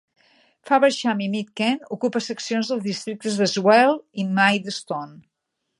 Faversham i Mid Kent ocupa seccions dels districtes de Swale i Maidstone.